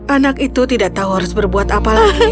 anak itu tidak tahu harus berbuat apa lagi